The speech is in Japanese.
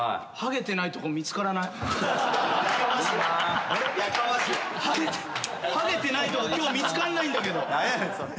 ハゲてないとこ今日見つからないんだけど。